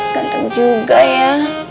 ganteng juga ya